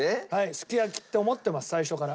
すき焼きって思ってます最初から。